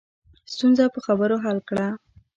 ستونزه په خبرو حل کړه